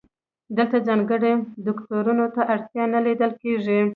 دلته ځانګړي دوکتورین ته اړتیا نه لیدل کیږي.